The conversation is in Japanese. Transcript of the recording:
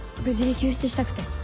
無事に救出したくて。